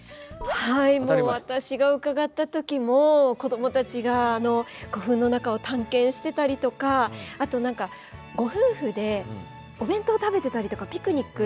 はいもう私が伺った時も子供たちが古墳の中を探検してたりとかあとご夫婦でお弁当食べてたりとかピクニック！